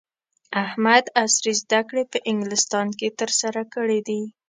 احمد عصري زده کړې په انګلستان کې ترسره کړې دي.